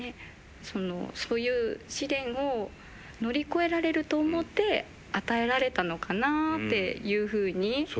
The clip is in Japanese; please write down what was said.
そういう試練を乗り越えられると思って与えられたのかなあっていうふうに。